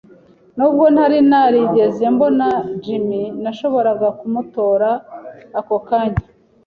Nubwo ntari narigeze mbona Jim, nashoboraga kumutora ako kanya.